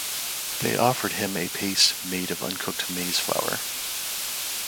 They offered him a paste made of uncooked maize-flour.